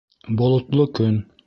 Болотло көн